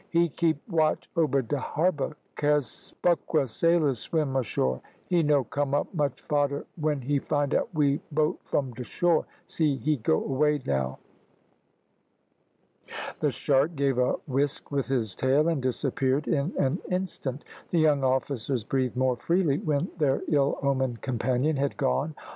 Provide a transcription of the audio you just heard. "He keep watch ober de harbour case buckra sailors swim ashore. He no come up much fader when he find out we boat from de shore. See he go away now." The shark gave a whisk with his tail, and disappeared in an instant. The young officers breathed more freely when their ill omened companion had gone.